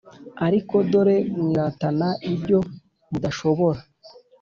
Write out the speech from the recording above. Ariko dore mwiratana ibyo mudashobora